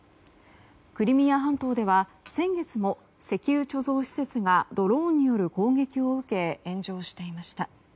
クリミア半島では先月も石油貯蔵施設がドローンによる攻撃を受け炎上していました。